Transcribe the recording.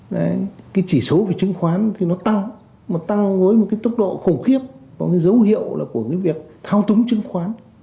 đấy cái chỉ số về chứng khoán thì nó tăng mà tăng với một cái tốc độ khủng khiếp có cái dấu hiệu là của cái việc thao túng chứng khoán